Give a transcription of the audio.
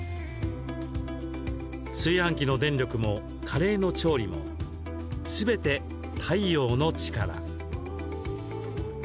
炊飯器の電力も、カレーの調理もすべて太陽の力。